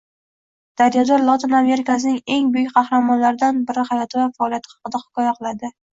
“Daryo” Lotin Amerikasining eng buyuk qahramonlaridani biri hayoti va faoliyati haqida hikoya qiladi